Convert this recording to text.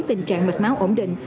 tình trạng mạch máu ổn định